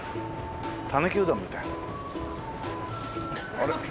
あれ？